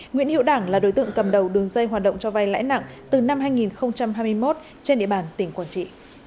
nguyễn hiệu đảng là đối tượng cầm đầu đường dây hoạt động cho vay lãi nặng từ năm hai nghìn hai mươi một trên địa bàn tỉnh quảng trị